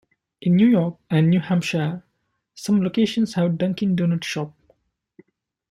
In New York and New Hampshire, some locations have a Dunkin Donuts shop.